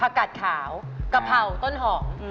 กัดขาวกะเพราต้นหอม